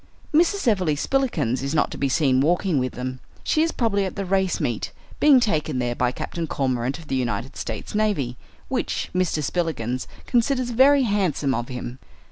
Mrs. Everleigh Spillikins is not to be seen walking with them. She is probably at the race meet, being taken there by Captain Cormorant of the United States navy, which Mr. Spillikins considers very handsome of him.